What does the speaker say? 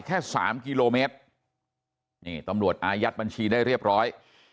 แค่สามกิโลเมตรนี่ตำรวจอายัดบัญชีได้เรียบร้อย